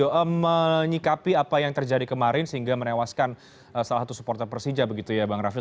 jadi kita akan menikapi apa yang terjadi kemarin sehingga menewaskan salah satu supporter persija begitu ya bang raffiul